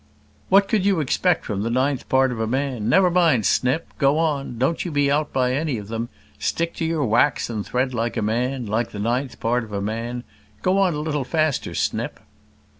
"What could you expect from the ninth part of a man? Never mind, Snip go on; don't you be put out by any of them. Stick to your wax and thread like a man like the ninth part of a man go on a little faster, Snip."